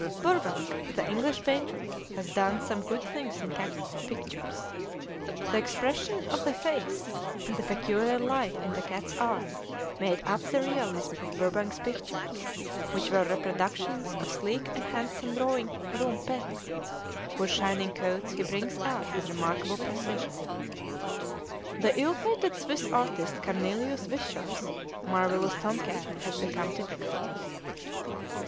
Burbank, the English painter, has done some good things in cat pictures. The expression of the face and the peculiar light in the cat's eye made up the realism of Burbank's pictures, which were reproductions of sleek and handsome drawing room pets, whose shining coats he brings out with remarkable precision. The ill fated Swiss artist Cornelius Wisscher's marvellous tom cat has become typical.